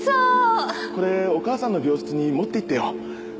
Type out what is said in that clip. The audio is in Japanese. これお母さんの病室に持って行ってよ。